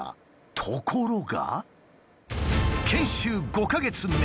ところが。